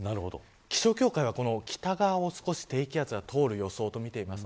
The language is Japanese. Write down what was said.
気象協会は北側を低気圧が通る予想と見ています。